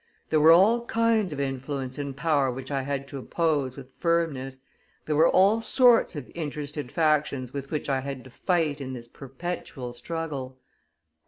There were all kinds of influence and power which I had to oppose with firmness; there were all sorts of interested factions with which I had to fight in this perpetual struggle."